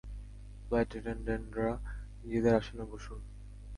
Flight অ্যাটেনডেন্টরা, নিজেদের আসনে বসুন।